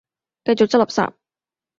繼續執垃圾